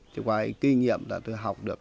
có cái kinh nghiệm tôi đã học được